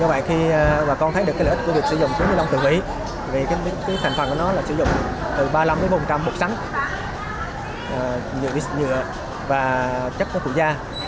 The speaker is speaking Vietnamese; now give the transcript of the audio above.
do vậy khi bà con thấy được cái lợi ích của việc sử dụng túi ni lông tự hủy vì cái thành phần của nó là sử dụng từ ba mươi năm bốn trăm linh bột sắn nhựa và chất của cụ da